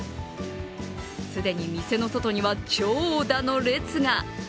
既に店の外には長蛇の列が。